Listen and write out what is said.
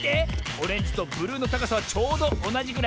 オレンジとブルーのたかさはちょうどおなじぐらい。